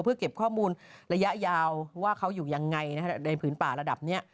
เพื่อเก็บข้อมูลระยะยาวว่าเขาอยู่ยังไงในผืนป่าระดับนี้